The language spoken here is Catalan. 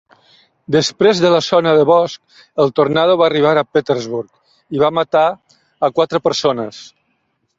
Després de la zona de bosc, el tornado va arribar a Petersburg, i va matar a quatre persones.